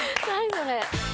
それ。